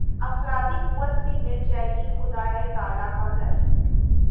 افرادی قوت بھی مل جائے گی خدائے تعالیٰ کا گھر